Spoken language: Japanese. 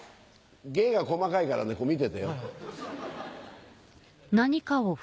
芸が細かいからね見ててよ。